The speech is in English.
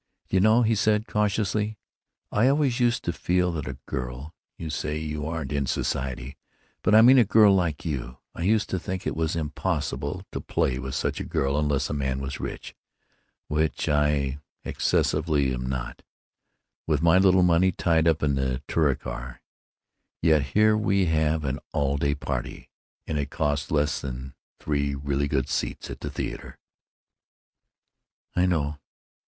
"Do you know," he said, cautiously, "I always used to feel that a girl—you say you aren't in society, but I mean a girl like you—I used to think it was impossible to play with such a girl unless a man was rich, which I excessively am not, with my little money tied up in the Touricar. Yet here we have an all day party, and it costs less than three really good seats at the theater." "I know.